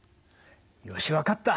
よし分かった。